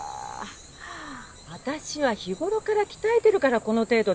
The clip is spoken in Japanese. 私は日頃から鍛えてるからこの程度で済んだのよ。